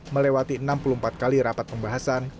melewati enam puluh empat kali rapat pembahasan